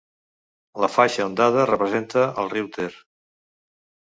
La faixa ondada representa al riu Ter.